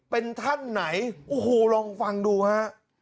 เป็นท่านไหนโอ้โหลองฟังดูฮะ